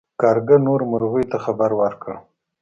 کارغه نورو مرغیو ته خبر ورکړ.